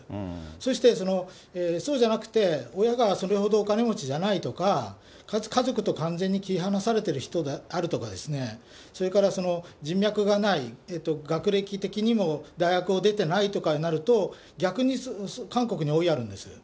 そして、そうじゃなくて、親がそれほどお金持ちじゃないとか、家族と完全に切り離されている人であるとか、それから人脈がない、学歴的にも大学を出てないとかになると、逆に韓国に追いやるんです。